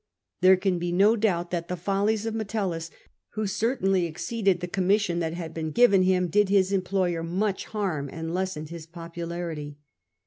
There can be no doubt that the follies of Metellus, who certainly exceeded the commission that had been given him, did his employer much harm and lessened his popularity.